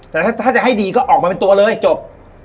แต่ถ้าจะให้ดีก็ออกมาเป็นตัวเลยจบ